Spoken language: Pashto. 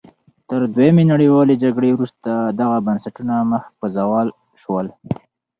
تر دویمې نړیوالې جګړې وروسته دغه بنسټونه مخ په زوال شول.